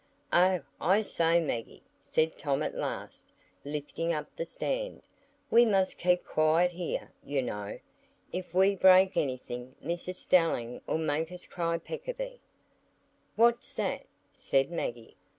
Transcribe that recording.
"Oh, I say, Maggie," said Tom at last, lifting up the stand, "we must keep quiet here, you know. If we break anything Mrs Stelling'll make us cry peccavi." "What's that?" said Maggie.